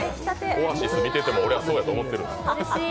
Ｏａｓｉｓ見てても、俺はそうやと思ってる。